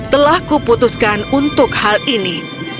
telah kuputuskan untuk hal ini